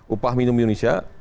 upah minimum di indonesia